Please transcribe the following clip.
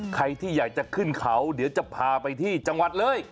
ใครที่อยากจะขึ้นเขาเดี๋ยวจะพาไปที่จังหวัดเลย